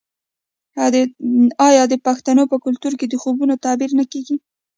آیا د پښتنو په کلتور کې د خوبونو تعبیر نه کیږي؟